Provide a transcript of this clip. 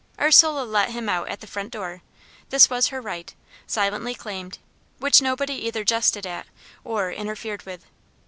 Ursula let him out at the front door; this was her right, silently claimed, which nobody either jested at or interfered with.